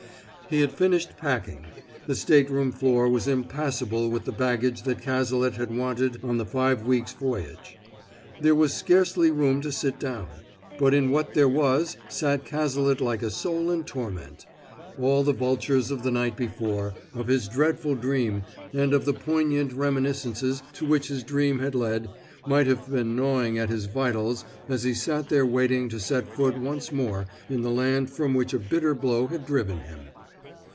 He had finished packing; the stateroom floor was impassable with the baggage that Cazalet had wanted on the five weeks' voyage. There was scarcely room to sit down, but in what there was sat Cazalet like a soul in torment. All the vultures of the night before, of his dreadful dream, and of the poignant reminiscences to which his dream had led, might have been gnawing at his vitals as he sat there waiting to set foot once more in the land from which a bitter blow had driven him.